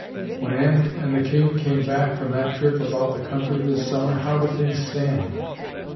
When Anne and the king came back from that trip about the country this summer how did things stand?